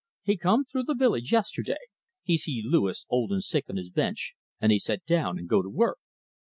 He come through the village yesterday; he see Louis old and sick on his bench, and he set down and go to work."